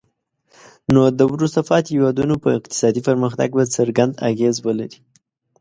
نو د وروسته پاتې هیوادونو په اقتصادي پرمختګ به څرګند اغیز ولري.